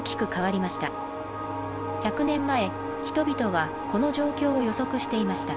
１００年前人々はこの状況を予測していました。